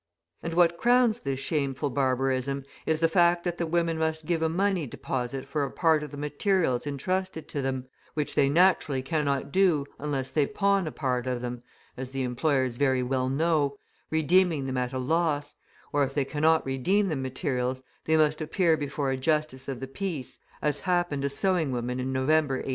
And what crowns this shameful barbarism is the fact that the women must give a money deposit for a part of the materials entrusted to them, which they naturally cannot do unless they pawn a part of them (as the employers very well know), redeeming them at a loss; or if they cannot redeem the materials, they must appear before a Justice of the Peace, as happened a sewing woman in November, 1843.